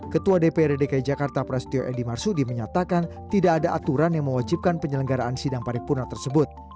ketua dprd dki jakarta prasetyo edi marsudi menyatakan tidak ada aturan yang mewajibkan penyelenggaraan sidang paripurna tersebut